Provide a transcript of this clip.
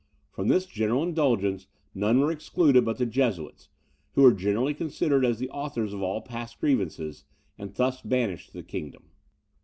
From this general indulgence, none were excluded but the Jesuits, who were generally considered as the authors of all past grievances, and thus banished the kingdom.